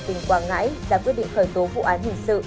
tỉnh quảng ngãi ra quyết định khởi tố vụ án hình sự